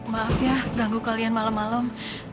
maaf ya ganggu kalian malam malam